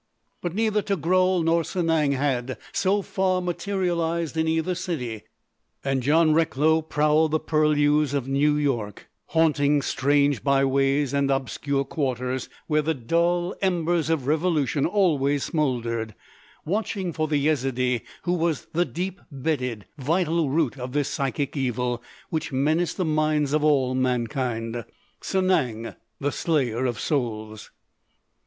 But neither Togrul nor Sanang had, so far, materialised in either city; and John Recklow prowled the purlieus of New York, haunting strange byways and obscure quarters where the dull embers of revolution always smouldered, watching for the Yezidee who was the deep bedded, vital root of this psychic evil which menaced the minds of all mankind,—Sanang, the Slayer of Souls.